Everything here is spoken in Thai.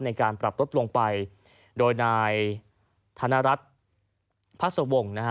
ในการปรับลดลงไปโดยนายธนรัฐพัศวงศ์นะฮะ